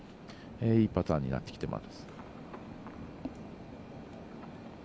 いいパターンになってきています。